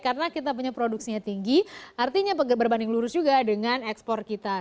karena kita punya produksinya tinggi artinya berbanding lurus juga dengan ekspor kita